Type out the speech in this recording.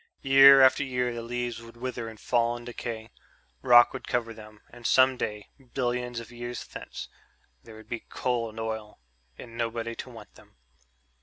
Year after year the leaves would wither and fall and decay. Rock would cover them. And some day ... billions of years thence ... there would be coal and oil and nobody to want them.